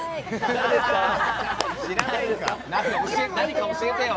誰か教えてよ。